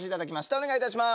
お願いいたします。